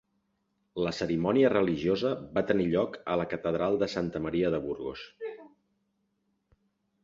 La cerimònia religiosa va tenir lloc a la catedral de Santa Maria de Burgos.